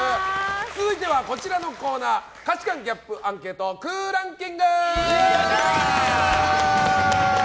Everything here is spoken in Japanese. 続いては、こちらのコーナー価値観ギャップアンケート空欄キング。